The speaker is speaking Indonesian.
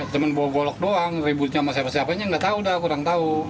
temen bawa golok doang ributnya sama siapa siapanya nggak tau dah kurang tau